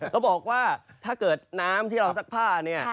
เขาบอกว่าถ้าเกิดน้ำที่เราซักผ้าเนี่ย